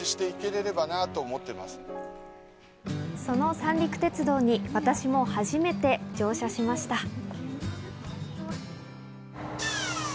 その三陸鉄道に私も初めて乗車しました。